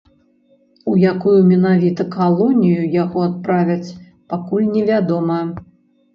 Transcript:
У якую менавіта калонію яго адправяць, пакуль не вядома.